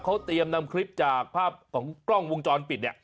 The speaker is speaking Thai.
เขาเตรียมนำคลิปจากภาพของกล้องวงจรปิดเนี่ย